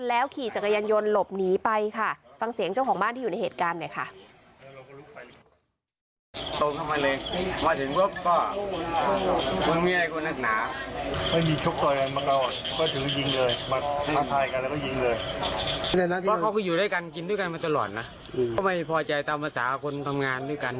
แล้วขี่จักรยานยนต์หลบหนีไปค่ะฟังเสียงเจ้าของบ้านที่อยู่ในเหตุการณ์หน่อยค่ะ